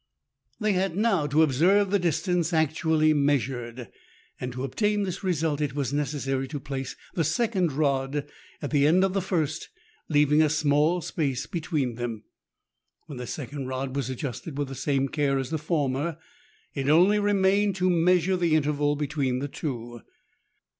They had now to observe the distance actually measured. To obtain this result, it was necessary to place the second rod at the end of the first, leaving a small space between them. When the second rod was adjusted with the same care as the former, it only remained to measure the interval between the two.